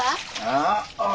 ああ？